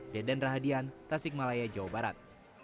deden rahadian tasik malaya jawa barat